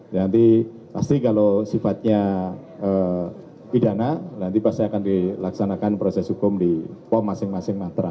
nanti pasti kalau sifatnya pidana nanti pasti akan dilaksanakan proses hukum di pom masing masing matra